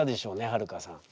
はるかさん。